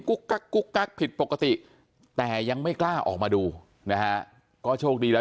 กักกุ๊กกักผิดปกติแต่ยังไม่กล้าออกมาดูนะฮะก็โชคดีแล้ว